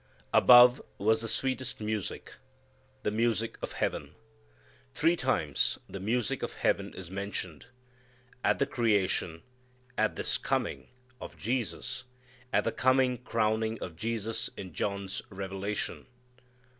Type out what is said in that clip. Above, was the sweetest music, the music of heaven. Three times the music of heaven is mentioned: at the creation, at this coming of Jesus, at the coming crowning of Jesus in John's Revelation.